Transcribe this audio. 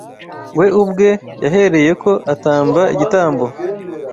we ubwe yahereyeko atamba igitambo